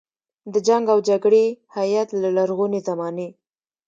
د جنګ او جګړې هیت له لرغونې زمانې.